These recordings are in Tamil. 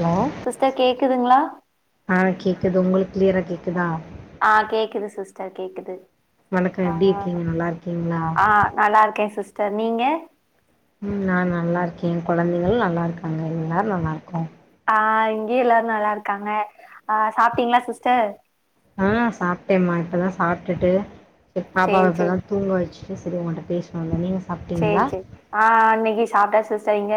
ஹலோ சிஸ்டர் கேக்குதுங்களா ஆ கேக்குது உங்களுக்கு கிளியரா கேக் கிதா ஆ கேக்குது சிஸ்டர் கேக்குது வணக்கோ ஆ எப்டி இருக்கீங்க நல்லா இருக்கீங்களா டர் நீங்க உம் நா நல்லா இருக்கே கொழந்தைகளு நல்லா இருக்காங்க எல்லாரு நல்லா இருக்கோ ஆ, இங்கியு எல்லாரு நல்லா இருக்காங்க ஆ சாப்பிட்டீங்களா சிஸ்டர் ஆ சாப்பிட்டேம்மா இப்பதா சாப்ட்டுட்டு செர் பாபாவ சேரி இப்பதா சேரி தூங்க வச்சு [unintelligible] செரி உங்கள்ட்ட பேசு வந்த நீங்க சேரி சாப்ட்டீங்களா சேரி ஆஹ் இன்னிக்கி சாப்ட்டாச்சு சி சரிங்க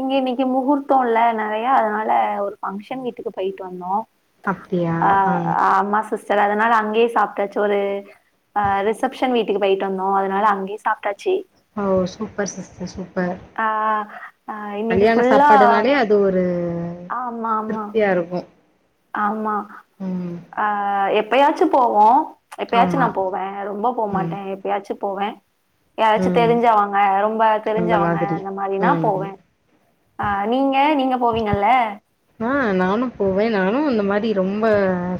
இங்க இன்னிக்கி முகூர்த்தோ இல்ல நறையா அதனால ஒரு பங்க்ஷன் வீட்டுக்கு போயிட்டு வந்தோ அப்டியா அஹ் ஆ அம்மா சிஸ் சர் அதனால அங்கே சாப்ட்டாச்சு ஒரு அ ரிசப்ஷன் வீட்டுக்கு போயிட்டு வந்தோ அதனால அங்கே சாப்ட்டாச்சு ஓ சூப்பர் சிஸ்டர் சூப் ஆஹ் அஹ் இன்னிக்கி ஃபுல்லா சாப்பாடுனாலே அது ஒரு ஆமாமா திருப்தியா இருக்கு ஆமா ம் ஆஹ் எப் எப்பயாச்சு போவோ எப்பயாச்சு ஆமா நா போவே ரொம்ப ம் போமாட்டே எப்பயாச்சு போவே யாராச்சு ம் தெரிஞ்சவாங்க ரொம்ப அந்த தெரிஞ்சவங்க மாதிரி அந்த மாதிரினா ம் போவே அஹ் நீங்க நீங்க போவீங்கல்ல ஆஹ் நானு போவே நானு இந்த மாதரி ரொம்ப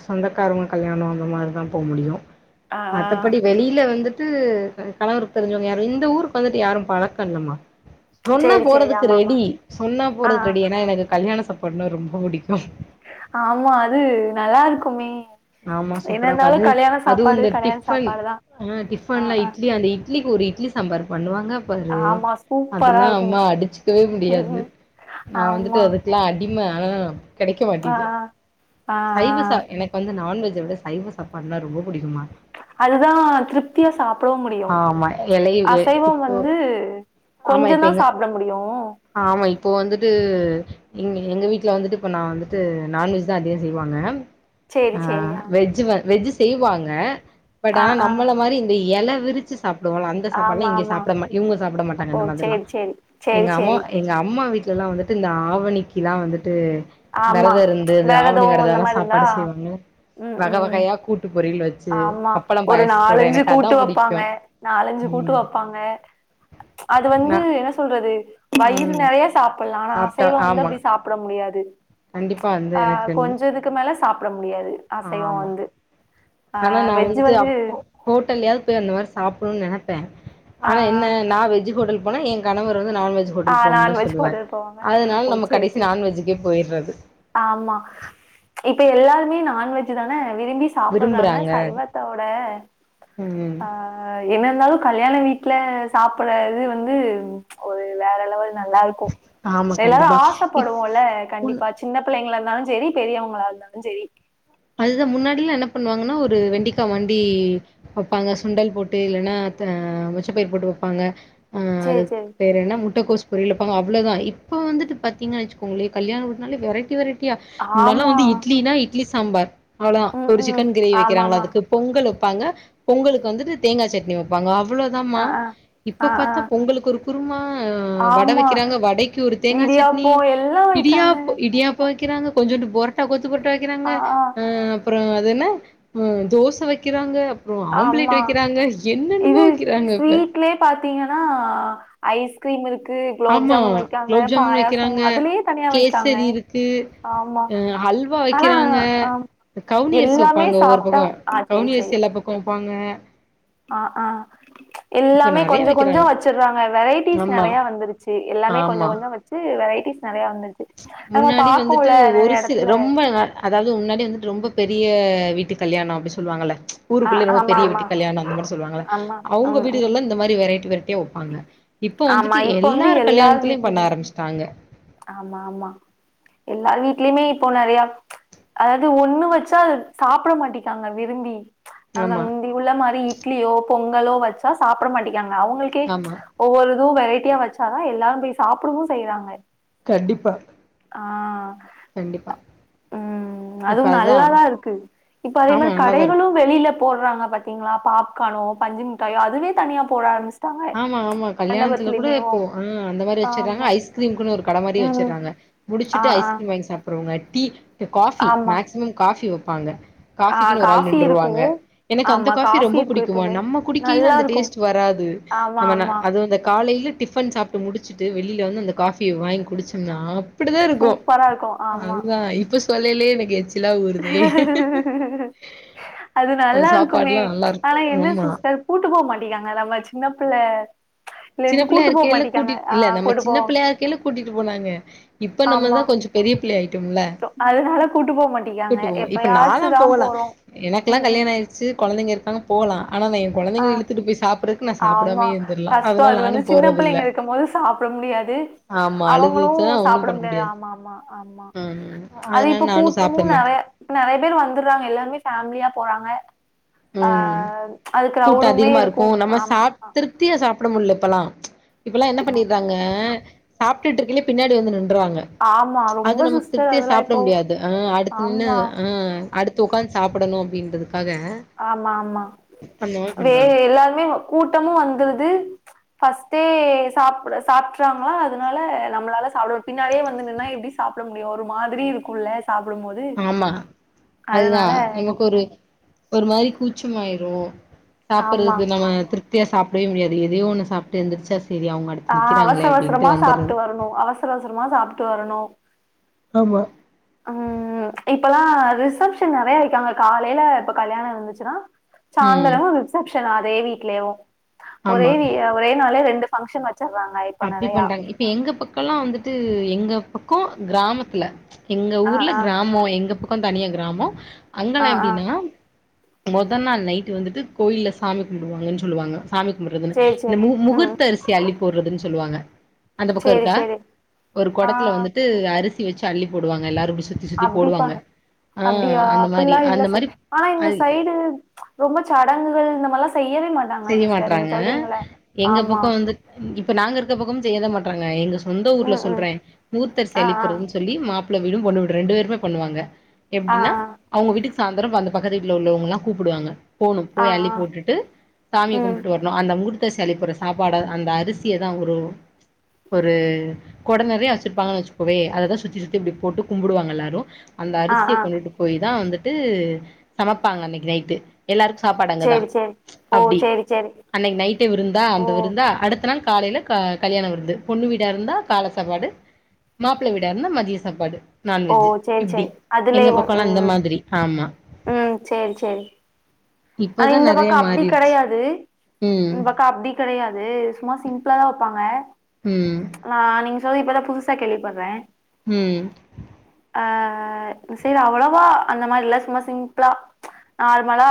சொந்தக்காரங்க கல்யாணோ அந்த மாதிரிதா போ முடியு ஆ ஆ மத்தப்படி வெளியில வந்து த்து கணவருக்கு தெரிஞ்சவங்க யாரு இந்த ஊருக்கு வந்துட்டு யாரு பழக்கல்லமா சொன்னா சரி, சரி. போறதுக்கு ஆமாமா. ரெடி சொன்னா ஆ போறதுக்கு ரெடி ஏனா எனக்கு கல்யணோ சாப் பண்ணா ரொம்ப புடிக்கு ஆமா அது நல்லா இருக்குமே ஆமா என்ன சூப்பரா இருக்கு இருந்தாலு அதுவு கல்யாண அதுவு சாப்பாடு இந்த கல்யாண டிஃபன் சாப்பாடுதா ஆ டிஃபன்லா ஆஹ் இட்லி அந்த இட்லிக்கு ஒரு இட்லி சம்பாார் பண்ணுவாங்க பாரு ஆமா. சூப்பரா அதெல்லா இருக்கும். அம்மா அடிச்சுக்கவே முடியாது ம்ஹ்ம். நா வந்துட்டு ஆமா. அதுக்கெல்லா அட் இம்ம அ கெடைக்க ஆ மாட்டிது ஆ ஆ ஆ. சைவசா எனக்கு வந்து நான்வெஜ் இத விட சைவ சாப்பாடுணா ரொம்ப புடிக்கு அதுதா திருப்தியா சாப்டவு முடியு ஆமா எலையு எ அசைவோம் இப்போ வந்து ஆமா கொஞ்சோ இப்ப தா எங்க சாப்புட முடியு ஆமா இப்போ வந்துட்டு எங்-எங்க வீட்டுல வந்துட்டு இப்போ நா வந்துட்டு நான்வெஜ் தா அதிகம் செய்வாங்க சேரி சேரி ஆஹ் ஆ வெஜ் வ வெஜ் செய்வாங்க பட் ஆ ஆனா ஆ நம்மள மாரி இந்த எல விரிச்சு சாப்புடுவோல அந்த சாப்பாட்ல ஆமா இங்க ஆமா சாப்புட மா இவுங்க சாப்புட மாட்டாங்க ஓ இந்த மாதிரிலா சேரி சேரி சேரி எங்க அம்மா சேரி எங்க அம்மா வீட் ல்லாம் வந்துட்டு இந்த ஆவணி ல்லா வந்துட்டு ட்டு ஆமா வெரத இருந்து வேற ஆவணி எதுவு விரத இந்த எல்லா மாரி இருந்தா சாப்பாடு செய்வாங்க ம் வகை ம் வகையா கூட்டு பொரியல் வெ ஆமா ஒரு நாலஞ்சு கூட்டு புடிக்கு வெப்பாங்க நாலஞ்சு கூட்டு ம் வெப்பாங்க அது வந்து நா என்ன சொல்றது வயிறு ம் நெறைய சாப்பிடலா ஆனா சாப்ட்டா அசைவ வந்து ஆமா அப்டி சா அபட முடியாது கண்டிப்பா வந்து ஆஹ் எனக்கு கொஞ்ச இதுக்கு மேல சாப்ப முடியாது அசைவ ஆமா. வந்து ஆ ஆனா நா வெஜ்ஜு வந்துட்டு வந்து அப்ப ஹோட்டல்லயாவது போய் அந்த மாரி சாப்பிடனு நெனைப்பே ஆ ஆனா என்ன ஆ நா வெஜ் ஹோட்டல் போன என் கணவர்ரு நான்வெஜ் ஆ ஹோட்டல் போணு தா நான்வெஜ் சொல்லுவார் ஹோட்டல் போவாங்க. ஓ அதனால நம்ம சேரி கடைசி சேரி நான்வெஜ்ஜுக்கே போயடுறது ஆமா. இப்ப எல்லாருமே நான்வெஜ் தானே விரும்பி சாப்பிடுறாங்க விரும்புறாங்க. சைவத்தோட ம். ஆஹ என்ன இருந்தாலு கல்யாண வீட்டு வீட்டுல சாப்பற இது வந்து ஒரு வேற லெவல் நல்லா இருக்கு ஆமா எல்லாரு கண்டிப்பா. ஆசைப்படுவோம்ல்ல இப்போ கண்டிப்பா சின்ன பிள்ளைங்கள இருந்தாலு செரி பெரியவங்களா இருந்தாலும் செரி அதுதா முன்னாடி எல்லா என்ன பண்ணுவாங்கன்னா ஒரு வெண்டிக்கா வண்டி வெப்பாங்க சுண்டல் போட்டு இல்லைன்னா அஹ் மொச்சப்பயிறு போட்டு வெப்பாங்க ஆஹ் சேரி அதுக்கு சேரி பேரு என்ன மு [unintelligible] அவ்வளதா இப்ப வந்துட்டு பாத்தீங்கன்ன வச்சுக்கோங்களே கல்யாணால வெரைட்டி வெரைட்டி [unintelligible] முன்னெல்லா ஆமா. வந்து இட்லனா இ சாம்பார் அவ்வளவுதா ம் ஒரு ம் சிக்கன் கிரேவி வைக்கிறாங்களா ஆமாமா. அதுக்கு பொங்கல் ப்பாங்க பொங்கலுக்கு வந்துட்டு தேங்காய் சட்னி வெப்பாங்க அவ அவ்ளவு தா மா அ ஆ ஆ இப்ப ஆ பாத்தா பொங்களுக்கு ஒரு குருமா ஆ வடை ஆமா. வெக்கிறாங்க வடைக்கு ஒரு தேங்காய் சட்னி இடியாப்போ எல்லா விக்காங்க. இடியாப இடியாப்பம் வெக்கிறாங்க கொஞ்சோண்டு புரோட்டா கொ [unintelligible] வெக்கிறாங்க ஆ ஆ ஆஹ் அப்றோ அதென்ன உம் தோசை வெக்கிறாங்க ஆம்லேட் ஆமா. வெக்கிறாங்க இது ஸ்வீட்லயே பாத்தீங்கன்னா ஐஸ்கிரீம் இருக்கு குலோப் ஆமா ஜாமுன் வைக்காங்க, குலாப் ஜாமுன் பாயாசம் வைக்கிறாங்க அதுலயே தனியா வைக்காங்க. கேசரி இருக்கு ஆமா. அஹ் அல்வா ஆனா வைக்கிறாங்க ஆமா. கவுனி அரிசி எல்லாமே வைப்பாங்க ஒவ்வொரு சாப்ட்டா பக்கம் ஆ கவுனி அரிசி எல்லா பக்கோ வப்பாங்க ஆஹ் ஆஹ் எல்லாமே நெறைய கொஞ்சோ கொஞ்சோ வைக்கிறாங்க வச்சடுறாங்க வெரைட்டிஸ் ஆமா நறைய வந்துருச்சு எல்லாமே கொஞ்ச ஆமா கொஞ்சோ வச்சு வெரைட் டிஸ் நறைய வந்து முன்னாடி வந்துட்டு ஒரு சி எடத்துல ரொம்ப அதாவ்து முன்னடி வந்துட்டு ரொம்ப பெரிய வீட்டு கல்யாணம் அப்டி சொல்லுவாங்கள்ள ஆ ஊருக்குள்ளே ரொம்ப ஆமா, பெரிய ஆமா. வீட்டு கல்யாணம் அந்த மாரி சொல்லாங்கள ஆமா, அவ்ங்க ம், ம். வீடுகள்ள இந்த மாரி வெரைட் [unintelligible] வைப்பாங்க இப்ப ஆமா வந்துட்டு இப்ப எல்லார் கல்யாணத்துலயும் பண்ண ஆரம்பிச்சுட்டாங்க ஆம்மா ஆம்மா எல்லார் வீட்லியுமே இப்போ நறையப் அதாவ்து ஒண்ணு வச்சா சாப்ட மாட்டிக்காங்க விரும்பி ஆம ஆமா முந்தி உள்ள மாரி இட்லியோ பொங்கலோ வச்சா சாப்ட மாட்டே வைக்காங்க அவ்ங்களுக்கே ஆமா ஒவ்வொரு எதுவு வெரைட்டியா வச்சாதா எல்லாரும் போய் சாப்டவும் செய்றாங்க கண்டிப்பா ஆஹ் கண்டிப்பா உம் இப்ப அதுவும் அதா நல்லாதா இருக்கு இப்ப அதே ஆமா மாரி நல்லாதா இருக்கு கடைகளும் வெளியில போடுறாங்க பாத்தீங்களா பாப்கானோ பஞ்சு மிட்டாயோ அதுவே தனியா போட ஆம்பமிச் ஆமா ஆமா கல்யாணத்துல கூட இப்போ ஆஹ் அந்த மாரி வச்சறாங்க ஆமா ஐஸ்கிரீம் கூட இருக் கட மாரி ம் வச்சறாங்க ஆ முடிச்சுட்டு ஆ ஐஸ்கிரீம் வாங்கி சாப்றவங்க டீ கே காஃபி ஆமா மேக்சிமம் காஃபி வப் வப்பாங்க ஆ காபிக்குன்னு ஒரு ஆள் காஃபி இருக்கு நின்றுருவாங்க எனக்கு அந்த ஆமா காபி காஃபி ரொம்ப இருக்கு புடிக்குமா எப்பவுமே நம்ம குடிக்கையில நல்லா அந்த இருக்கு டேஸ்ட்டு வராது ஆமா நம்மன ஆமா அதுவு இந்த காலையில டிஃபன் சாப்ட்டு முடிச்சிட்டு வெளியில வந்து அந்த காஃபி வாங்கி குடிச்சோம்னா இபடித்தா இருக்கும் சூப்பரா இருக்கு ஆமா அதுதா இப்ப ஸ்கூ சொல்லயிலியே எனக் எச் அது அந்த நல்லா இருக்குமே சாப்பாடுலாம் ஆனா நல்லாருக்கும். என்ன ஆமா. சிஸ்டர் கூட்டுபோ மாட் க்காங்க நம்ம சின்ன புள்ள சின்ன பிள்ளையா இருக்கைல்ல கூட்டிட் இல்ல நம்ம கூட்டு சின்ன போவாங்க பிள்ளையா இருக்கேல்ல கூட்டிட்டு போனாங்க இப்ப ஆமா நம்மதான் கொஞ்சோ பெரிய புள்ளையாயிட்டோம்ல அதனால கூட்டு போ மாட்டிக்காங்க கூட்டுட்டு போம் இப்ப நாலாம் எப்பயாச்சுதா போலாம் போறோ எனக்கெல்லா ம் ம் கல்யாணம் ஆயிடுச்சு கொழந்தைங்க இருக்காங்க போலா ஆனா நா எ ஆ கொழந்தைங்கலா இழுத்துட்டு போயி சாப்பிடறக்கு நா சாப்பிடாமே ஆமா இருந்திரலா கஷ்டோ அது வந்து சின்ன பிள்ளைங்க இருக்க போது சாப்பிட முடியாது ஆமா அவங்களு அழுதுச்சா ஒன்னு சாப்பிட பண்ண முடியா முடியாது ஆமா ஆமா ஆம்மா அது அதனால இப்ப நானு கூட்டமு சாப்ட மாட்டே நெறைய நெறைய பேர் வந்துறாங்க எல்லாருமே ஃபேமிளியா போறாங்க ஆ ம் கூட்டோ கிரௌடுமே அதிகமா இருக்கு நம்ம ஆமா சாப் ஆமா திருப்தியா சாப்பிட முடியல இப்பல்லா இப்பல்லா என்ன பண்ணிறாங்க சாப்பிட்டுட்டு இருக்கையிலே பின்னாடி வந்து நின் றுவாங்க ஆமா ரொம்ப அது நமக்கு சிஸ்டர் திருப்தியா அதெல்லா சாப்பிட இப்போ முடியாது ஆ அடுத்து நின்னு ஆமா ஆ அடுத்து உக்காந்து சாப்பிடணு அப்படின்றதுக்காக ஆமா ஆமா வே எல்லாருமே கூட்டமு வந்துருது ஃபஸ்ட்டே சாப்ட சாப்பறாங்களா அதனால நம்மளால சாப்பிடவே பின்னாலேயே வந்து நின்னா எப்பிடி சாப்பிட முடியு ஒரு மாதிரி இருக்குல்ல சாப்டும் போது ஆமா அதுதா அதனால நமக்கு ஒரு ஒரு மாரி கூச்சமாயிரு ஆமா சாப்பிடுறது நம்ம திருப்தி ரித்தியா சாப்பிடவே முடியாது எதையோ ஒன்னு சாபிட்டு எந்திரிச்சா செரி அவங்க அடுத்து ஆ அவசர நிக்கிறாங்களே அவசரமா அப்டின்ட்டு வந்துர்றது சாப்பிட்டு வரணு அவசர அவசரமா சாப்பிட்டு வரணு ஆமா ஆ இப்பல்லா ரிசப்ஷன் நெறைய வெக்குறாங்க காலையில இப்ப கல்யாணோ இருந்துச்சுன்னா ம் சாந்திரமு ரிசப்ஷன் ரிஷப்சன் அதே வீட்லயவு ஒரே வி ஒரே நாளே ரெண்டு பங்க்ஷன் வச்சி அப்பிடி பண்றாங்க இப்ப எங்க பக்கொல்லா வந்துட்டு எங் எங்க பக்கோ கிராமத்துல எங்க ஆ ஊர்ல ஆ கிராமோ எங்க பக் கொ தனியா கிராமோ ஆ அங்கல்லா ஆ எப்பிடின்னா மொதல் நாள் நைட்டு வந்துட்டு கோயில்ல சாமி கும்பிடுவாங்கன்னு சொல்லுவாங்க சாமி கும்பறதுனு சேரி இந்த சேரி ம் முகூர்த்த அரிசி அள்ளி போடுறதுன்னு சொல்லுவாங்க அந்த பக்கோ சேரி இருக்கா சேரி ஒரு கொடத்துல ஆ வந்துட்டு அரிசி ச்சு அள்ளி போடுவாங்க எல்லாரும் அப்படிப்பா அப்படியா அந்த மாரி அப்படில்லா இல்ல அந்த மாரி சிஸ் ஆனா இந்த அ சைடு ப்ச் ரொம்ப சடங்குகள் இந்த மால்லா செய்ய மாட்டறாங்க எங்க ஆமா பக்கம் வந்து இப்ப நாங்க இருக்க பக்கம் செய்யத மாட் நாங்க எங்க சொந்த ஊர்ல ம் சொல்ற ம் மூர்த்தரிசி ஆ ஆ அள்ளிப்போடறதுன்னு சொல்லி மாப் ம் வீடும் பொண்ணு வீடும் ரெண்டு பேருமே பண்ணுவாங்க ஆ எப்படின்னா அவுங்க வீட்டுக்கு சாயந்திரம் அந்த பக்கத்துல உள்ளவங்க எல்லா கூப்பிடுவாங்க போகணு ஆ ஆ போய் அள்ளி ஆ போட்டுட்டு சாமி ம் கும்பிட்டு வரணு அந்த மூர்த்த சளிபோடற சாப்பாடு அந்த அரிசியதா ஒரு ஒரு குடனெறயா வெச்சுருப்பாங்கன்னு வேச்சுக்கவே அதைதா சுத்தி சுத்தி இப்படி போட்டு கும்பிடுவாங்க எல்லாரு அந்த ஆ அரிசியை ஆ கொண்டுட்டு போய்தா வந் ட்டு சமைப்பாங்க அன்னைக்கு நைட்டு எல்லாருக்கு சாப்பாடு அங்கதா சேரி சேரி ஓ அப்படி சேரி சேரி அன்னைக்கு நைட்டே விருந்தா ஓ அந்த விருந்தா அடுத்த தனா காலையில கல்யாண விருந்து பொண்ணு வீடா இருந்தா கால சாப்பாடு மாப்பிள்ள வீடா இருந்தா மதிய சாப்பாடு ஓ நான்வெஜ் சேரி இப்படி சேரி எங்க பக்கம்மெல்லா இந்த மாதிரி ஆமா உம் சேரி சேரி ஆனா இப்பதா இந்த நெறைய பக்கோ அப்படி கிட மாறிடுச்சு யாது ம் இந்த பக்கோ அப்டி கிடையாது சும்மா சிம்பிளாதா வெப்பாங்க ம் ப்ச் ஆஹ் நீங்க சொல்லி இப்பதா புதுசா கேள்விப்படுற உம் ஆஹ் இந்த சைடு அவ்வளோவா அந்த மாரி இல்ல சும்மா சிம்பிளா நார்மலா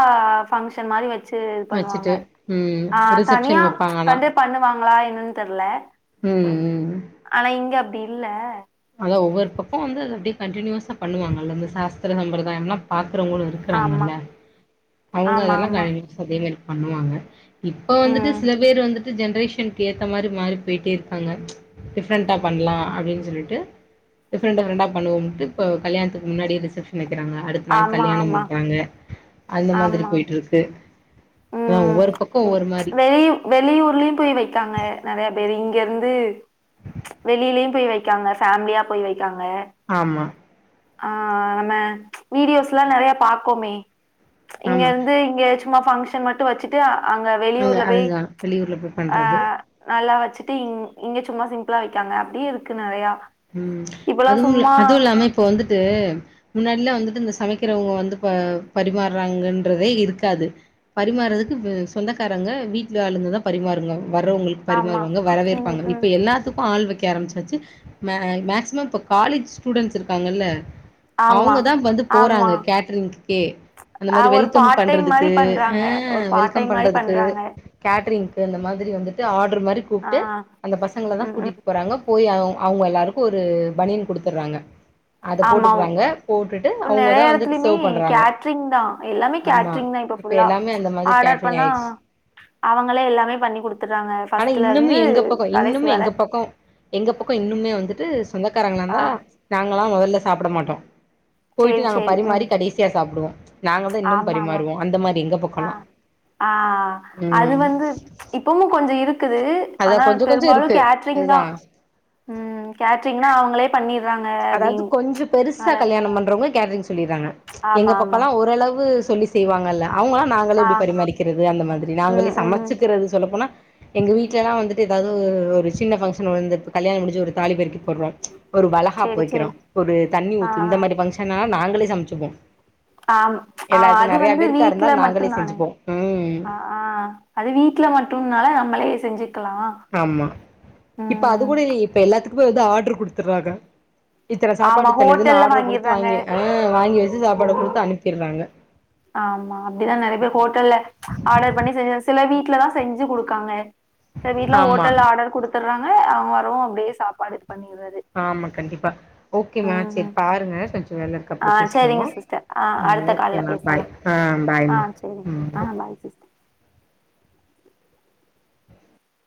பங்க்ஷன் மாரி வெச் சு இது பண்ணுவாங்க வச்சுட்டு ம் தனியா ரிசப்ஷன் ப்ச் வப்பாங்க ஆனா கண்டு பண்ணுவாங்களா என்ன தெர்ல ம் ம் ஆனா இங்க அப்படி இல்ல ஒவ்வொரு பக்கம் வந்து அப்படி யே கண்டினியூசா பண்ணுவாங்கல்ல இந்த சாஸ்திரங்கள் படிதா இன்னும் பாக் பாக்குறவங்களும் ஆமா இருக்கிறாங்கல்ல அவுங்க ஆமா அதெல்லா ஆமா கடைப்பிடிச்சு இரு பண்ணுவாங்க இப்ப வந்துட்டு ம் சில பேர் வந் ஜென்ரேஷனுக்கு ஏத்த மாரி மாறி போயிட்டே இருக்காங்க ப்ச் டிஃப்ரெண்டா பண்ணலா அப்படின்னு சொல்ட்டு டிஃப்ரெண்ட் டிஃப்ரெண்டா பண்ணுவோம்ட்டு இப்ப கல்யாணத்துக்கு முன்னாடியே ரிசப்ஷன் வெக் ஆமா ஆமா அந்த மாதிரி ஆமா போயிட்ருக்கு உம் அதா ஒவ்வொரு பக்கோ ப்ச் ஒவ்வொரு ப்ச் மாரி வெளி வெளியூர்லயும் போய் வெக்காங்க நிறயா பேரு இ எந்து வெளியிலயும் போய் வைக்காங்க பேமிலியா போய் வை இருக்காங்க ஆமா ஆ‌ நம்ம வீடியோஸ் எல்லாம் நிறைய பாக்கோமே இங்க ஆமா இருந்து இங்க சும்மா ஃபங்க்ஷன் மட்டும் வச்சுட்டு அங்க வெளியூர்ல போய் அதுதா வெளியூர்ல போய் அ பண்றது நல்லா வச் வச்சுட்டு இங் இங்கே சும்மா சிம்பிளாக வைக்கா அப்படியேக்குது நிறையா உம் அதுவு அதுவு இல்லாம இப்ப வந்து ட்டு முன்னாடியிலாம் வந்துட்டு இந்த சமைக்கிறவங்க வந்து பரிமாறுறாங்கன்றதே இருக்காது பரிமாறுறதுக்கு சொந்தக்காரங்க வீட்டுல ஆளுங்கதா பரிமாறுவாங்க வரவங்களுக்கு ஆமா பரிமாறுவாங்க ம் வரவேற்பாங்க ம் இப்ப எல்லாத்துக்கும் ஆள் வைக் கேரம் [unintelligible] மே மேக்சிமம் இப்ப காலேஜ் ஸ்டூடெண்ட்ஸ் இருக்காங்கல்ல ஆமா அவங்கதா வந்து ஆமா போறாங்க கேட்டரிங்க்கே அந்த அ மாரி ஒரு வெல்கம் பார்ட் டைம் மாரி பண்றதுக்கு பண்றாங்க ஒரு ஆஹ் பார்ட் வெல்கம் டைம் மாரி பண்றதுக்கு பண்றாங்க கேட்டரிங் இந்தந்த மாதிரி வந்துட்டு ஆடு ஒரு மாரி ஆ கூப்பிட்டு அந்த பசங்களை தா ம் ம் கூட்டிட்டு போறாங்க போய் ஆக அவங்க எல்லாருக்கும் ஒரு பணியன் குடுத்துடுறாங்க ஆமாம் இப்ப நிறைய வந்துட்டு இடத்துலயு சர்வ் பண்றாங்க கேட்ரிங் தா எல்லாமே ஆமா கேட்ரிங் தா இப்ப இப்பபல்லா எல்லாமே அந்த மாதிரி ஆர்டர் கேட்ரிங் பண்ணா ஆயிடுச்சு அவங்களே எல்லாமே பண்ணி குடுத்துறாங்க ஆனா ப்ஸ்ட்ல இன்னமு இருந்து எங்க பக்கோ கடைசி வர இன்னே வந்துட்டு சொந்தக்காரங்களாந்தா ஆ நாங் போன முதல்ல சாப்பிட மாட்டோம் போயிட்டு சேரி, நாங்க சேரி. ம். பரிமாறி கடைசியா சாப்பிடுவோ நாங்கதா இன்னும் ஆமாமா. பரிமாறுவோ அந்த மாதிரி எங்க ஆ. பக்கம்ல்லா ஆ உம் ருக்குது ஆனால் பெரும்பாலும் கேட்டரிங்தா அதுதா உ கேட்டரிங்னா அவங்களே பண்ணி அதாவது கொஞ்சம் பெருசா கல்யாணம் பண்றவங்க கேட்டரிங் சொல்லறாங்க எங்க ஆமா, ஆமா. பக்கல்லா ஓரளவு சொல்லி செய்வாங்கல்ல அவங்கள நாங்களே ஆ. இப்படி பரிமாறிக்கிறது அந்த மாரி ம், நாங்களே ம். சமைச்சுக்கிறது சொல்லப்போனா எங்க வீட்டுல எல்லாம் வந்துட்டு ஏதாவது ஒரு சின்ன பங்க்ஷன் வந்து கல்யாணம் முடிஞ்சு ஒரு தாலிபெருக்கி போடுறோம் ஒரு சேரி, சேரி. போய்க்கிறோம் ஒரு தண்ணி ஆ, ஊத்து இந்த ஆ. மாரி பங்க்ஷன்னா நாங்களே சமச்சுபோம் ஆம் ஆஹ் அது வந்து இருந்தா வீட்டுல நாங்களே மட்டும் தானே செஞ்சுப்போ ம் அஹ் ஆஹ் அது வீட்டுல மட்டும்னால நம்மளே செஞ்சட் ஆமா இப்ப அது கூட இல்லி இப்ப எல்லாத்துக் [unintelligible] ஆர்டர் கொடுத்துறாங்க இத்தன ஆமா சாப்பாட்டுக் இத்தன இதுன்னு ஹோட்டல்ல ஆர்டரு குடுத்து வாங்கிர்றாங்க. வாங்கி ஆஹ் வாங்கி வச்சு சாப்பாட ம். குடுத்து அனுப்ட்றாங்க ஆமா அப்டிதா நெறைய பேர் ஹோட்டல்ல ஆர்டர் பண்ணி செஞ்ச சில வீட் ல தா செஞ்சு குடுக்காங்க சில வீடுலாம் ஆமா ஓட்டல்ல ஆர்டர் குடுத்துடுறாங்க அ வரவொ அப்டியே சாப்பாடு பண்ணிர்றது ஆமா கண்டிப்பா ஓகேம்மா செரி ம் பாருங்க கொஞ்ச வேலருக்கு ஆ அப்றம் பேசுவோ சேரிங்க சிஸ்டர் ஆ அடுத்த கால்ல ஓகேம்மா பேசலா பாய் ஆ ஆ பாய்ம்மா சேரிங்க உம் ஆ பாய் சிஸ்டர்